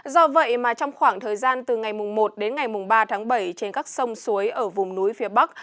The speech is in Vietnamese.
do vậy mà trong khoảng thời gian từ ngày một đến ngày ba tháng bảy trên các sông suối ở vùng núi phía bắc